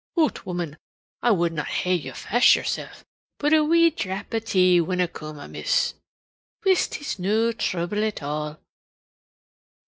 "Hoot, woman! I would na hae you fash yoursel', but a wee drap tea winna coom amiss." "Whist! It's no thruble at all."